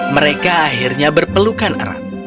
mereka akhirnya berpelukan erat